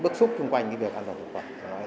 bức xúc chung quanh cái việc ăn dòng thuốc quả